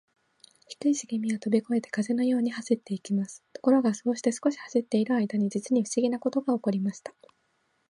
低いしげみはとびこえて、風のように走っていきます。ところが、そうして少し走っているあいだに、じつにふしぎなことがおこりました。